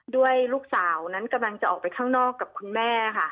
ด้วยลูกสาวนั้นกำลังจะออกไปข้างนอกกับคุณแม่ค่ะ